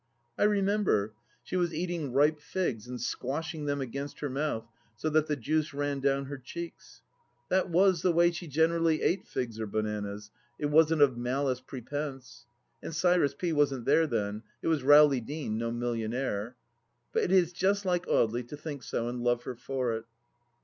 I remember. She was eating ripe figs and squashing them against her mouth, so that the juice ran down her cheeks. That was the way she generally ate figs or bananas — it wasn't of malice pre pense. And Cyrus P. wasn't there then; it was Rowley Deane, no millionaire. But it is just like Audely to think so and love her for it.